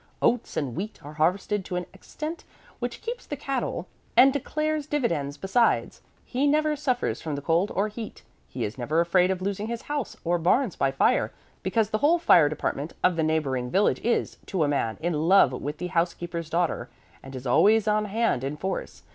Oats and wheat are harvested to an extent which keeps the cattle and declares dividends besides. He never suffers from the cold or heat. He is never afraid of losing his house or barns by fire, because the whole fire department of the neighboring village is, to a man, in love with the house keeper's daughter, and is always on hand in force.